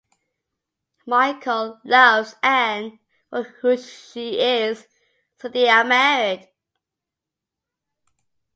Michael loves Anne for who she is, so they are married.